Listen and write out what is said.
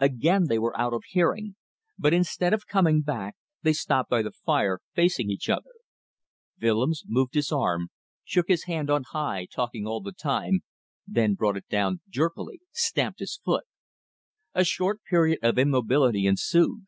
Again they were out of hearing, but instead of coming back they stopped by the fire facing each other. Willems moved his arm, shook his hand on high talking all the time, then brought it down jerkily stamped his foot. A short period of immobility ensued.